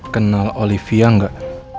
kenal olivia gak